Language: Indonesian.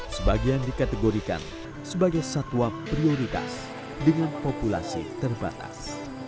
sebagian dikategorikan sebagai satwa prioritas dengan populasi terbatas